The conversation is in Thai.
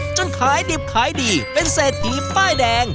ขายดิบขายดีเป็นเศรษฐีป้ายแดง